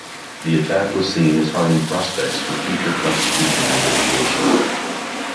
The attack was seen as harming prospects for future constitutional negotiation.